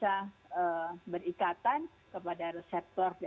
jadi kita harus berikatan kepada reseptor dari sel kita